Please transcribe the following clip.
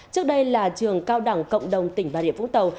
trước đây là trường cao đẳng cộng đồng tỉnh bà rịa vũng tàu